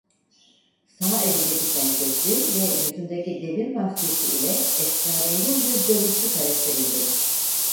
Sağ elindeki pençesi ve yüzündeki demir maskesi ile esrarengiz bir dövüşçü karakterindedir.